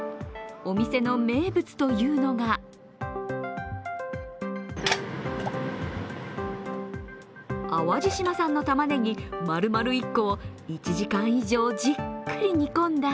お店の名物というのが淡路島産のたまねぎ丸々１個を１時間以上じっくり煮込んだ